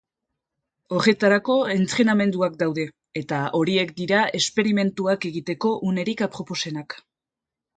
Horretarako, entrenamenduak daude, eta horiek dira esperimentuak egiteko unerik aproposenak.